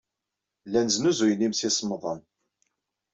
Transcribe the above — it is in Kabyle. Llan snuzuyen imsisemḍen.